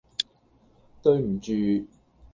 對唔住